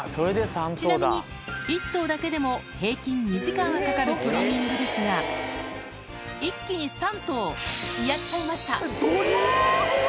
ちなみに、１頭だけでも平均２時間はかかるトリミングですが、一気に３頭、やっちゃいました。